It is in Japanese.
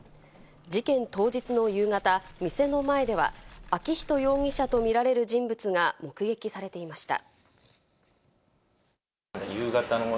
事件当日の夕方、店の前では昭仁容疑者と見られる人物が目撃されていました。